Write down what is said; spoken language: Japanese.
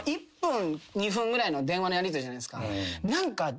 １分２分ぐらいの電話のやりとりじゃないですか。